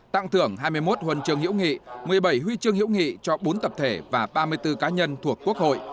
tặng thưởng hai mươi một huân chương hiểu nghị một mươi bảy huy chương hiểu nghị cho bốn tập thể và ba mươi bốn cá nhân thuộc quốc hội